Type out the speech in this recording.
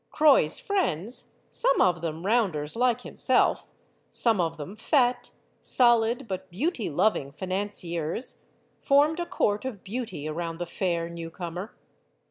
Croix's friends some of them rounders like him self, some of them fat, solid, but beauty loving finan ciers formed a court of beauty around the fair new comer.